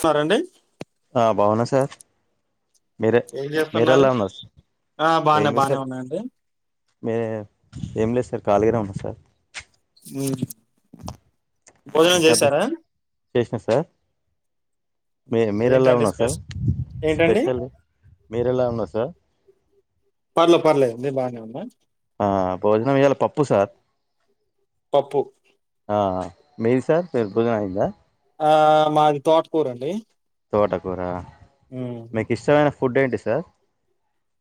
సరేండి ఆ బావున్నా సార్ మీరే ఏం చేస్తున్నారు మీరెలా ఉన్నారు సార్ ఆ బానే ఏమి బానే సార్ ఉన్నాయండి ఏం లేదు సార్ ఖాళీగానే ఉన్నా సార్ హ్మ్ కద్దు చేషిన సార్ ఉమ్, మీర్ మీరెలా ఏంటండి ఉన్నా సార్ స్పెషల్ ఏంటండి స్పెషల్ మీరెలా ఉన్నార్ సార్ పర్లే పర్లే అండి బాగానే ఉన్నా ఆ భోజనం ఇయ్యాలి పప్పు సార్ పప్పు ఆ మీరు సార్ మీరుభుజన మాయిందా ఆ మాది తోటకూరు అండి తోటకూర ఉమ్, మీకు ఇష్టమైన ఫుడ్ ఏంటి సార్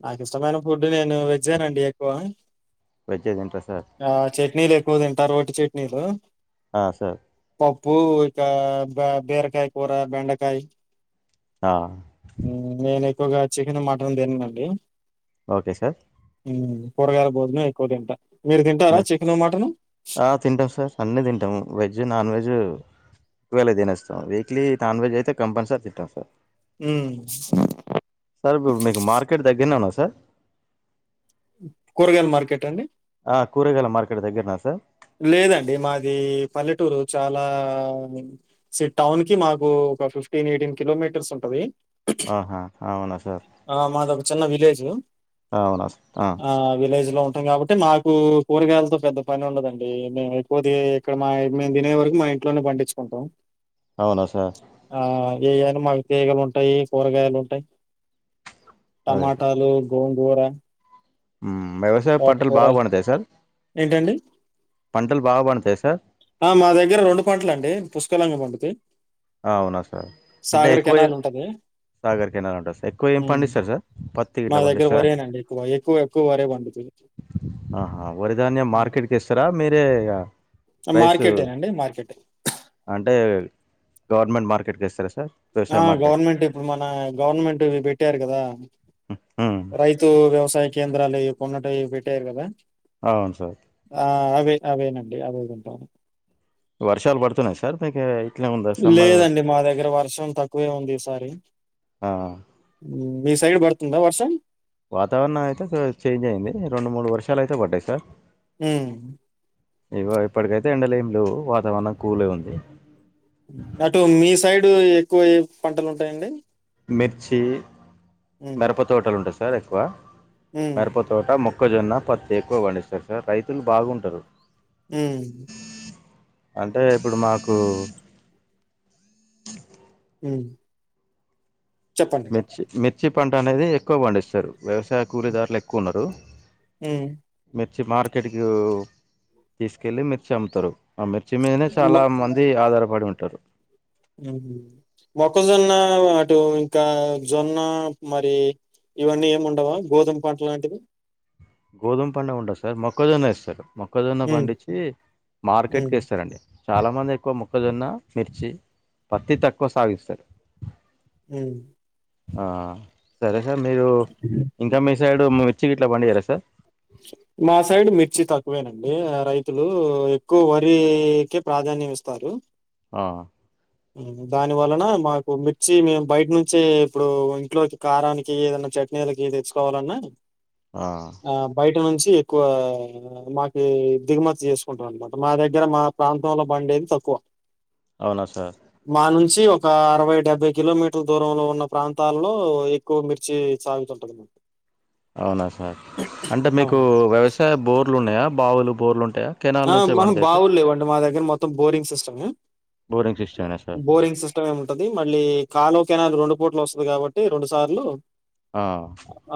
నాకు ఇష్టమైన ఫుడ్ నేను వెజ్జేనండి ఎక్కువ వైజ్జ తింటా సార్ ఆ చట్నీలు ఎక్కువ తింటా రోటి చట్నీలు ఆ సార్ పప్పు ఇకా బ బిరకాయ కూర బెండకాయ ఆ నేను ఎక్కువగా చికెన్ మటన్ తిననండి ఓకే సార్ కూరగాయల భోజనం ఎక్కువ తింటా మీరు తింటారా మే- చికెను మటన్ ఆ తింటాం సార్ అన్నీ తింటాము వెజ్ నాన్ వెజ్ అన్ని తినేస్తాం వీక్లీ నాన్ వెజ్ అయితే కంపల్సరీ తింటామ్మ్ సార్ ఉమ్ సార్ ఇప్పుడు మీకు మార్కెట్ దగ్గరనే ఉన్నాద సార్ కూరగాయ లా మార్కెట్ అండి ఆ కూరగాయల మార్కెట్ దగ్గరనా సార్ లేదండి మాది పల్లెటూరు చాలా సో టౌన్ కి మాకు ఒక ఫిఫ్టీన్ ఎయిటీన్ కిలోమీటర్స్ ఉంటది ఆహా అవునా సార్ ఆ మాదీ ఒక చిన్న విలేజ అవునా సార్ ఆ విలేజ్ లో ఉంటాం కాబట్టి మాకు కూరగాయలతో పెద్ద పని ఉండదండి మేము ఎక్కువది ఇక్కడ మా మేము తినే వరకు మా ఇంట్లోనే పండించుకుంటాం అవునా సార్ ఆ ఏవైనా మాకు తీగలు ఉంటాయి కూరగాయలు ఉంటాయి అదే సార్ టమాటాలు గోంగూర వ్యవసాయ పంటలు తోటకూర బాగా బండాతాయి సార్ ఏంటండి? పంటలు బాగా బండతాయి సార్ ఆ మా దగ్గర రెండు పంటల అండి పుష్కలంగ పండుతయి అవునా సార్ అంటే ఎక్కువ కెనాలుంటది. సాగర్ కెనాల్ ఉంటారు సార్ ఎక్కువ ఏమి హ్మ్. పండిస్తారు సార్ పత్తి మా ఇట్లా దగ్గర పండిస్తారా వరేనండి ఎక్కువ. ఎక్కువ, ఎక్కువ వరే పండుతది. ఆహా వారిధన్యం మార్కెట్ ఎస్తారా మీరే ఇకా హ మార్కెటేనండి మార్కెటే అంటే గవర్నమెంట్ మార్కెట్ కి ఇస్తారా సార్ వ్యవసాయ ఆ మార్కెట్ గవర్నమెంట్ ఇప్పుడు మన గవర్నమెంట్ ఇవి పెట్టారు కదా ఉమ్ రైతు వ్యవసాయ కేంద్రాలు ఇవి కొన్నటవి పెట్టారు కదా అవును సార్ ఆ అవే అవేనండి నువ్వు తింటాను వర్షాలు పడుతున్నాయ సార్ మీకు ఇట్లనే ఉందా సమ్మర్ లేదండి మా దగ్గర వర్షం తక్కువే ఉంది ఈసారి మీ సైడ్ పడుతుందా వర్షం వాతావరణం అయితే చేంజ్ అయింది రెండు మూడు వర్షాలు అయితే పడ్డాయి సార్ హ్ ఇగో ఇప్పటికైతే ఎండలు లేం లేవు వాతావరణం కూలే ఉంది. అటు మీ సైడ్ ఎక్కువ పంటలు ఉంటాయండి మిర్చి ఉమ్ మిరప తోటలు ఉంటాయి. సార్ ఎక్కువ ఉమ్ మిరప తోట ము మొక్కజొన్న పత్తి ఎక్కువ పండిస్తారు. సార్ రైతులు బాగుంటారు. ఉ అంటే ఇప్పుడు మాకు ఉ చెప్పండి మిర్చి పంట అనేది ఎక్కువ పండిస్తారు. వ్యవసాయ కూలీదారులు ఎక్కువ ఉన్నారు. హ్ మిర్చి మార్కెట్కి తీసుకెళ్ళి మిర్చి అమ్ముతారు. ఆ మిర్చి మీదనే మ చాలా మంది ఆధారపడి ఉంటారు. మొక్కజొన్న అటు ఇంకా జొన్న మరి ఇవన్నీ ఏమి ఉండవా గోధుమ పంటలు లాంటివి గోధుమ పంట ఉండదు సార్ మొక్కజొన్న ఎస్తారు మొక్కజొన్న ఉమ్ పండించి మార్కెట్ ఉమ్ కి ఎస్తారండి చాలామంది ఎక్కువ మొక్కజొన్న మిర్చి పత్తి తక్కువ సాగిస్తారు. హ్ హ సరే సార్ మీరు అ ఇంకా మీ సైడు మిర్చి గిట్లా పండి ఇయరా సార్ వి మా సైడ్ మిర్చి తక్కువేనండి రైతులు ఎక్కువ వరికే ప్రాధాన్యం ఇస్తారు ఆ దాని వలన మాకు మిర్చి మేము బయట నుంచే ఇప్పుడు ఇంట్లోకి కారానికి ఏదైనా చెట్ నేలకి తెచ్చుకోవాలన్నా ఆ ఆ బయట నుంచి ఎక్కువ ఆ మాకి దిగుమతి చేసుకుంటం అన్నమాట మా దగ్గర మా ప్రాంతంలో బండి ఏది ఏక్కువ అవునా సార్ మా నుంచి ఒక అరవై డెబ్బై కిలోమీటర్ దూరంలో ఉన్న ప్రాంతాల్లో ఎ కుకుమిర్చి సగుత ఉంటది అవునా సార్ అంటే మీకు అవునా వ్యవసాయ బోర్లు ఉన్నాయా బావులు బోర్లు ఉంటాయా కెనాల్ హ నుంచే మహు పండుతాయా సార్ బావులు లేవండి మా దగ్గర మొత్తం బోరింగ్ సిస్టమ్ బోరింగ్ సిస్టమేనా సార్ బోరింగ్ సిస్ ఇఏమి ఉంటది మళ్ళీ కాలో కెనాల రెండు పూట్లు వస్తది కాబట్టి రెండు సార్లు ఆ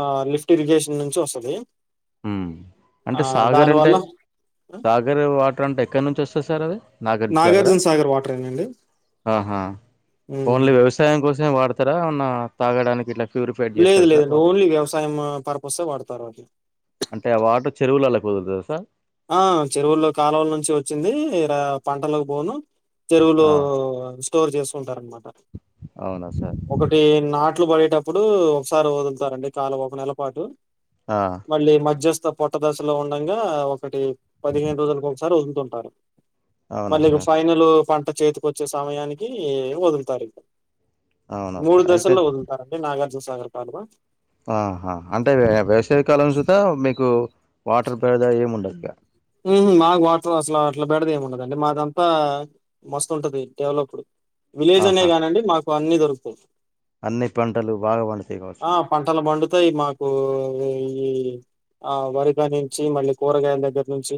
ఆ లిఫ్ట్ ఇరిగేషన్ నుంచి వస్తది ఆ అంటే సాగర్ దాని అంటే వల్ల సాగర్ వాటర్ అంటే ఎక్కడి నుంచి వస్తది సార్ అది నాగర్జూన సాగరా నాగార్జున సాగర్ వాటరేనండి. హ్మ్ ఓన్లీ వపస్ సయం కోసమే వాడతారా గిట్ల తాగడానికి ఇట్లా ప్యూరిఫైడ్ లేదు చేస్తారా సార్ లేదండి ఓన్లీ వ్యవసాయం పర్పస్ వాడతారు అది అంటే ఆ వాటర్ చెరువుల్లకు వదులుతదా సార్ ఆ చెరువులో కాలవల నుంచి వచ్చింది రా పంటల్లోకి బోను చెరువులో ఆ స్టోర్ చేసుకుంటారు అనమాట అవునా సార్ ఒకటి నాట్లు పడేటప్పుడు ఒకసారి వదులుతారండి కాలవ ఒక నెల పాటు ఆ మళ్ళీ మధ్యస్థ పొట్టదశలో ఉండగా ఒకటి పదిహేను రోజులకు ఒకసారి వదులుతుంటారు అవునా మళ్ళీ సార్ ఫైనల్ పంట చేతికొచ్చే సమయానికి వదులుతారు ఇకా అవునా మూడు సార్ అయితే దశల్లో వదులుతారండి నాగార్జునసాగర్ కాలువ ఆ హా అంటే ఏ వేసవికాలం చూత మీకు వాటర్ పేడద ఏమి ఉండదు ఇగా ఉహు మాకు వాటర్ అసలు అట్లా బేడద ఏమి ఉండదండి మాదంతా మస్తుంటది డెవలప్డ్ విలేజ్ అనే ఆహా! కానిండి మాకు అన్ని దొరుకుతది అన్ని పంటలు బాగా పండుతాయ్ కావచ్చు పంటలు పండుతాయి, మాకు ఈ ఆ వరికా నుంచి మళ్ళీ కూరగాయల దగ్గర. నుంచి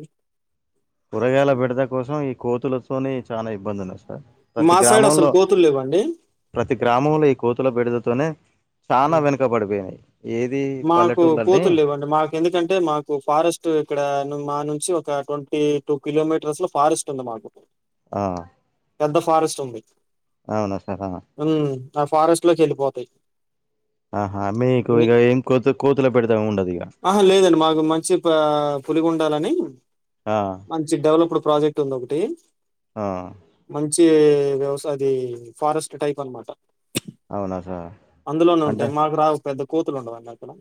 కూరగాయల బెడద కోసం ఈ కోతులతోని చానా ఇబ్బంది ఉన్నది ఆ ప్రతి మా సైడ్ అసలు గ్రామంలో కోతులు లేవండి ప్రతి గ్రామంలో, ఈ కోతుల బేడదతోనే చానా వెనుకబడిపోయింది. ఏది మాకు పల్లెటూర్లన్నీ కోతుల్లేవండి మాక్ ఎందుకంటే మాకు ఫారెస్ట్ ఇక్కడ మా నుంచి ఒక ట్వంటీ టూ కిలోమీటర్స్ లో ఫారెస్ట్ ఉంది మాకు ఆ పెద్ద ఫారెస్ట్ ఉంది అవును కదా ఉ ఆ ఫారెస్ట్ లోకి ఎళ్ళిపోతయి ఆహా మీకు ఇగ ఏం కోతు కోతుల బెడద ఉండదు ఇగ ఆహ లేదండి మాకు మంచి పా పులిగుండాలని ఆ! మంచి డెవలప్డ్ ప్రాజెక్ట్ ఉందొకటి ఆ! మంచి వ్యవసాయది ఫారెస్ట్ టైప్ అనమాట అవునా సార్? అందులోనే అంటే ఉంటాయి మాకు రావు పెద్ద కోతులు ఉండవాన్న అక్కడ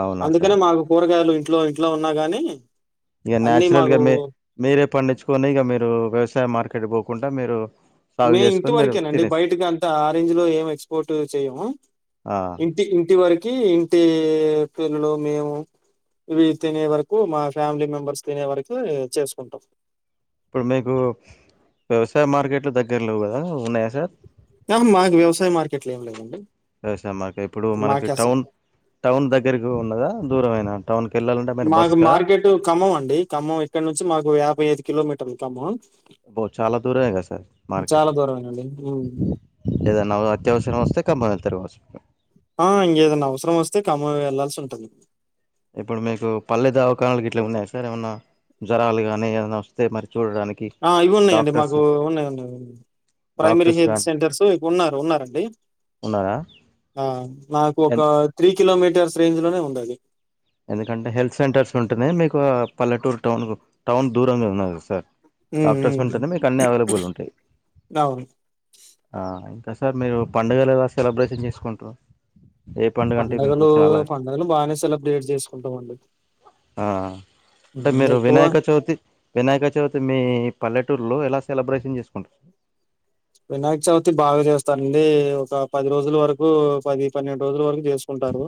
అవునా సార్? అందుకనే మాకు కూరగాయలు ఇంట్లో ఇంట్లో ఉన్నా గాని ఇగా అన్నీ న్యాచురల్గా మాకు మీ మీరే పండించుకొని ఇగా మీరు వ్యవసాయ మార్కెట్ పోకుండా మీరు సాగు మే ఇంటి చేసుకొని మీరు వరకేనండి తినేస్త బయటకి అంతా ఆరేంజ్ లో ఏం ఎక్స్పోర్ట్ చేయ్యము ఆ ఇ ఇ ఇంటి వరకి ఇంటి పిల్లలు మేము ఇవి తినే వరకు మా ఫ్యామిలీ మెంబర్స్ తినే వరకు చేసుకుంటాం ఇప్పుడు మీకు వ్యవసాయ మార్కెట్లు దగ్గరలో గదా ఉన్నాయా సార్ మాకు వ్యవసాయ మార్కెట్లో ఏమి లేదండి వ్యవసాయం మార్కెట్ ఇప్పుడు మనకి టౌన్ టౌన్ దగ్గరికి ఉన్నదా దూరమైననా టౌన్కి ఎళ్ళాల మాకు మార్కెట్ ఖమ్మం అండి ఖమ్మం ఇక్కడ నుంచి మాకు యాభై ఐదు కిలోమీటర్లు ఖమ్మం ఒ చాలా దూరమే గా సార్ మార్కెట్ చాలా దూరమేనండి ఉమ్. ఏదైనా అత్యవసరం వస్తే ఖమ్మం ఎల్తారు కావొచ్చు ఆ ఇంగేదైనా అవసరం వస్తే ఖమ్మం ఎ ళ్లాల్సింటుంది ఇప్పుడు మీకు పల్లె దవకానాలు ఇట్లా ఉన్నాయి సార్ ఏమన్నా జ్వరాలు గాని ఏదన్నా వస్తే మరి చూడడానికి ఆ ఇవి ఉన్నాయండి డాక్టర్స్ మాకు ఉన్నాయి ఉన్నాయి ప్రైమరీ డాక్టర్స్ హెల్త్ గానీ సెంటర్స్ ఉన్నారు ఉన్నారండి ఉన్నారా ఆ నాకు ఎన్ ఒక త్రీ కిలోమీటర్స్ రేంజ్ లోనే ఉంది అది ఎందుకంటే హెల్త్ సెంటర్స్ ఉంటున్నాయ్ మీకు పల్లెటూరు టౌన్కు టౌన్ దూరంగే ఉన్నాం గదసార్ ఉమ్, డాక్టర్స్ ఉమ్. వుంటేనే మీకు అన్ని అవైలబుల్ ఉంటాయ్ అవును ఆ ఇంకా సార్ మీరు పండుగలేలా సెలబ్రేషన్ జేస్కుంట్రు ఏ పండగంటె మీకు చాల నదులు బానే సెలబ్రేట్ జేస్కుంటామండి ఆ అంటే మీరు ఎక్కువ వినాయక చవుతి వినాయక చవితి మీ పల్లెటూర్లో ఎలా సెలబ్రేషన్ జేస్కుంట్ర్ వినాయక్ చవుతి బాగ జేస్తరండీ ఒకా పది రోజుల్ వరకూ పది పన్నెండ్ రోజుల వరకు జేస్ కుంటారు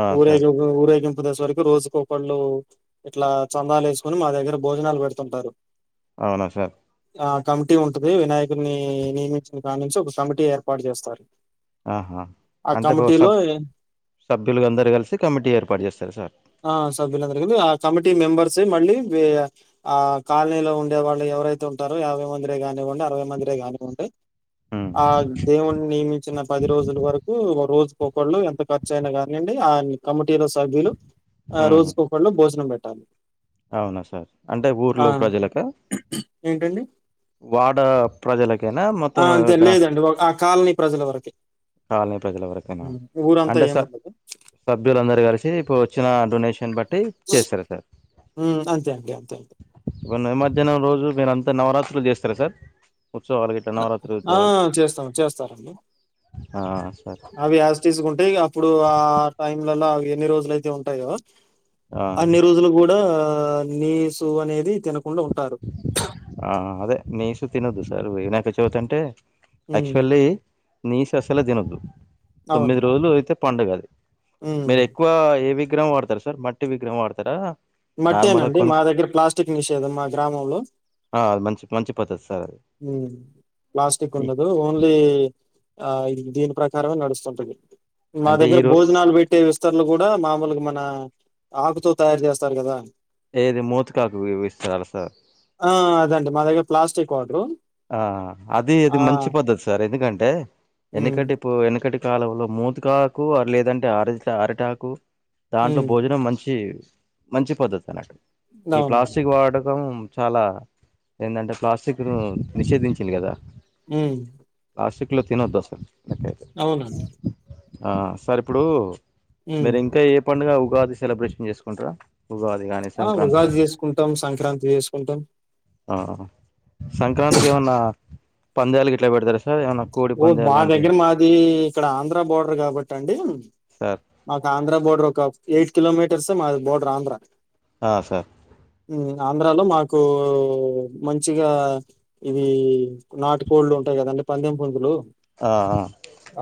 ఆ సార్ ఊరేగింపు ఊరేగింపదేశ్ వరకు రోజుకో పండ్లూ ఇట్లా చందాలేస్కొను మా దగ్గెర భోజనాల్ వెడుతుంటారు ఔనా సార్ ఆ కమిటీ ఉంటుది వినాయకున్ని నియమించిన కా నుంచి ఒగ కమిటీ ఏర్పాట్ జేస్తారు ఆహా అంటే ఇపుడు సబ్ సభ్యులు గందరు గలిసి కమిటీ ఏర్పాటు జేస్తర సార్ ఆ సభ్యులందరు [unintelligible] ఆ కమిటీ మెంబర్సే మళ్ళీ వేయ ఆ కాల్నీలో ఉండేవాళ్ళు ఎవరైతే ఉంటరో యాభై మందిరే గానివ్వండి అరవై మంద్ దే గానివ్వుంటాయ్ ఉమ్ ఆ దేవున్న్ నియమించిన పది రోజుల్ వరకు రోజ్ కొకళ్ళు ఎంత ఖర్చైనా గానిండి ఆ కమిటీలో సభ్యులు ఆ రోజ్ కొ కళ్ళు భోజనం బెట్టాలి ఔన సార్ అంటే ఊర్లో ప్రజలకా ఏంటండి వాడ ప్రజలకేనా ఆ! మొత్తము అంతే గ్రా లేదండి. ఒ ఆ కాలనీ ప్రజల వరకే. కాల్నీ ప్రజల వరకేనా హ్మ్. ఊరంతా అంటె స ఏముండదు. సభ్యులందరూ గలిసి ఇపు వొచ్చిన డొనేషన్ బట్టి చేస్తర సార్ ఊ అంతే అండి అంతే అంతె ఇబ్బుడు నిమజ్జనం రోజు మీరంతా నవరాత్రులు జేస్తర సార్ ఉచ్చవాలగి ఆ చేస్తాము చేస్తామండి ఆ సార్ అవి యాజ్ తీసుకుంటే ఇగ అప్పుడు ఆ టైమ్లలో అవి ఎన్ని రోజులైతే ఉంటయో ఆ అన్ని రోజులు గూడా నీసు అనేది తినకుండా ఉంటారు ఆ అదే నీసు తినదు సార్ వినాయక చవితంటే హ్మ్. యాక్ష్వల్లీ నీసస్సలే దినొద్దు అవును. తొమ్మిది రోజులు అయితే పండుగ అది హ్మ్. మీరెక్కువ ఏ విగ్రం వాడుతర్ సార్ మట్టి విగ్రహం వాడుతరా మట్టే నండి మా దగ్గిర ప్లాస్టిక్ నిషేధం మా గ్రామంలో ఆ అది మంచి మంచి పద్ధత్ సార్ అది ఊ ప్లాస్టిక్ ఉండదు ఓండ్లీ ఆ దీని ప్రకారమే నడుస్తుంటది మా అంటే దగ్గెర ఈరో భోజనాల్ బెట్టేస్ స్తర్లు గూడా మామొల్గ మనా ఆకుతో తయారు జేస్తారు గదా ఏది మూతకాకువిస్తాలా సార్ [unintelligible] ఆ అదండి మా దగ్గగర ప్లాస్టిక్ వాడ్రు ఆ అది అది మంచి పద్ధతి సార్ ఎందుకంటే హ్మ్. ఎనికటి పో ఎనికటి కాలంలో మూతికాకు అర్ లేదంటే అరిద్ట్ల అరిటాకు దాంట్లో హ్మ్. భోజనం మంచి మంచి పద్ధతి అన్నట్టు ఈ అవునవును. ప్లాస్టిక్ వాడకం చాలా ఏందంటే ప్లాస్టిక్ ను నిషేధించింది గదా ఊ ప్లాస్టిక్ లో తినోద్దు అసలు అట్లా అయితే అవునండి ఆ సార్ ఇప్పుడు హ్మ్. మీరి ఇంకా ఏం పండుగ ఉగాది సెలబ్రేషన్ చేసుకుంటారా ఉగాది గాని ఆ సంక్రాంతి ఉగాది గాని చేసుకుంటాం సంక్రాంతి చేసుకుంటాం ఆ సంక్రాంతికి ఏమన్నా పంద్యాలు గిట్లా బేడతార సార్ ఏమన్న ఓ బా దగ్గర మాది ఇక్కడ ఆంధ్ర బోర్డర్ కాబట్టి అండి సార్ మాకి ఆంధ్ర బోర్డర్ ఒక ఎయిట్ కిలోమీటర్స్ ఏ మాది బోర్డర్ ఆంధ్ర ఆ సార్ ఉ ఆంధ్రాలో మాకు మంచిగా ఇవీ నాటు కోళ్ళు ఉంటాయి కదండి పందెం పుంజులు ఆ ఆ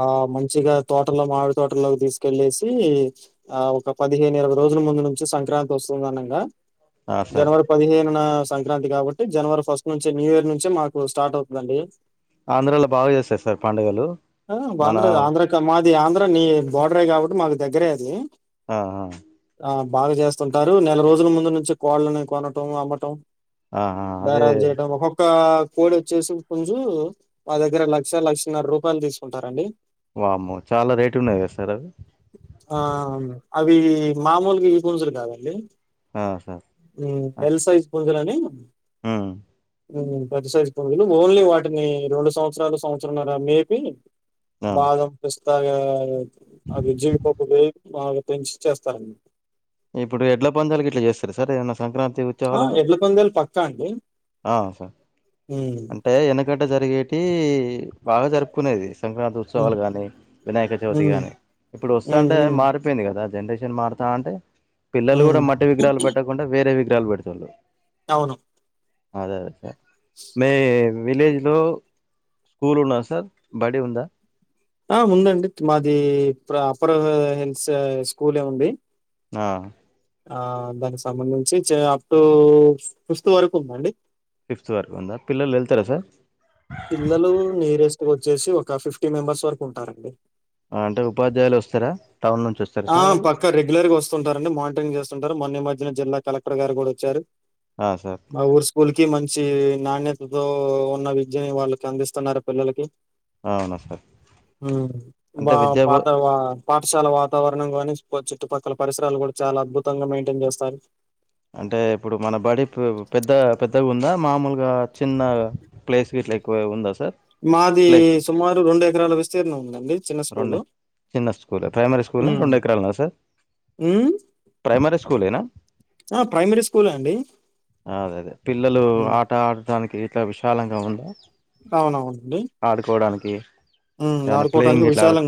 ఆ మంచిగా తోటలో మామిడి తోటలోకి తీసుకెళ్లేసి ఆ ఒక పదిహేను ఇరవై రోజుల ముందు నుంచి సంక్రాంతి వస్తుంది అనంగా ఆ సార్ జనవరి పదిహేనున సంక్రాంతి కాబట్టి జనవరి ఫస్ట్ నుంచి న్యూ ఇయర్ నుంచే మాకు స్టార్ట్ అవుతదండి. ఆంధ్రాలో బాగా చేస్తారు సార్ పండుగలు ఆ మన ఆంధ్ర ఆంధ్ర మాది ఆంధ్ర నీ బోర్డరే కాబట్టి మాకు దగ్గరే అది ఆ ఆ ఆ బాగా చేస్తుంటారు నెల రోజుల ముందు నుంచి కోళ్ళని కొనటం అమ్మటం ఆ ఆ అదే బ్యారాలు చేయటం ఒక్కొక్క కోడి వచ్చేసి పుంజు మా దగ్గర లక్ష లక్షన్నర రూపాయలు తీసుకుంటారండి వామ్మో చాలా రేటు ఉన్నాయి కదా సార్ అవీ ఆ అవి మామూలుగా ఈ పుంజులు కాదండి ఆ సార్ ఉ ఎల్ సైజ్ పుంజులని ఉ ఉ పెద్ద సైజు పుంజులు ఓన్లీ వాటిని రెండు సంవత్సరాలు సంవత్సరంన్నర మేపి ఆ బాదం పిస్తాగా అవి జీవిపప్పు వేయి బాగా పెంచి చేస్తరు ఇప్పుడు ఎడ్ల పందాలకి గిట్ల చేస్తార సార్ ఏమన్న సంక్రాంతి ఇచ్చే ఆ! వాళ్ళకు ఎడ్ల పందాలు పక్కా అండి. ఆ సార్ హ్మ్. అంటే ఈయనకి గంట జరిగేటి బాగా జరుపుకునేది సంక్రాంతి హ్మ్. ఉత్సవాలు గాని వినాయక చవితి హ్మ్. గాని ఇప్పుడు హ్మ్. వస్తుంటాయి హ్మ్. మార్పి పోయింది కదా జనరేషన్ మారుతాంటే పిల్లలు కూడా హ్మ్. మట్టి విగ్రహాలు పెట్టకుండా వేరే విగ్రహాలు పెడుతుళ్ళు అవును అదే అదే మీ విలేజ్ లో స్కూల్ ఉన్నాదా సార్ బడి ఉందా ఆ ఉందండి మాది అప్పర్ హిల్స్ స్కూలే ఉంది ఆ ఆ దానికి సంబంధించి చే అప్ టు ఫిఫ్త్ వరకు ఉందండి ఫిఫ్త్ వరకు ఉందా పిల్లలు వెళ్తారా సార్ పిల్లలు నీరేస్ కు వచ్చేసి ఒక ఫిఫ్టీ మెంబర్స్ వరకు ఉంటారండి అంటే ఉపాధ్యాయులు వస్తారా టౌన్ నుంచి వస్త ఆ పక్కా రెగ్యులర్ గా వస్తుంటారండి మానిటరింగ్ చేస్తుంటారు మన్న ఈ మధ్యన జిల్లా కలెక్టర్ గారు కూడా వచ్చారు ఆ సార్ మా ఊరు స్కూల్ కి మంచి నాణ్యతతో ఉన్న విద్యని వాళ్ళకి అందిస్తున్నారు పిల్లలకి అవునా సార్ అంటే వా విద్యాబో పాత వా పాఠశాల వాతావరణం గానీ, చుట్టుపక్కల పరిసరాలు కూడా చాలా అద్భుతంగా మెయింటైన్ చేస్తారు. అంటే ఇప్పుడు మన బడి పెద్ద పెద్దగా ఉందా మామూలుగా చిన్న ప్లేస్ వీట్ల ఎక్కువ ఉందా సార్ మాది ప్లే సుమారు రెండు ఎకరాల విస్తీర్ణం ఉందండి చిన్న రెండు స్కూలు. చిన్న స్కూల్ ప్రైమరీ స్కూల్ రెండు ఎకరాలు ఉన్నదా సార్ హు ప్రైమరీ స్కూలేనా ఆ ప్రైమరీస్ అదే అదే పిల్లలు హ్మ్. ఆట ఆడటానికి ఇట్లా విశాలంగా ఉందా అవునవునండి ఆడుకోవడానికి ఉమ్ ఆడుకోవడనికి ఆ